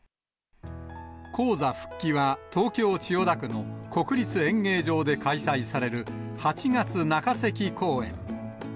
高座復帰は東京・千代田区の国立演芸場で開催される８月中席公演。